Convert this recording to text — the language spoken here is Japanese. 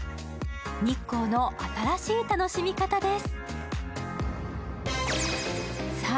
日光の新しい楽しみ方です。